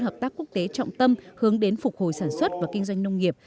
hợp tác quốc tế trọng tâm hướng đến phục hồi sản xuất và kinh doanh nông nghiệp